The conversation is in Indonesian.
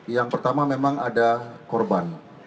yang pertama memang ada korban